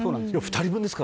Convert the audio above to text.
２人分です。